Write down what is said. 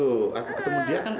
tuh aku ketemu dia kan